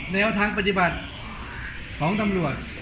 แนวทางปฏิบัติของตำรวจ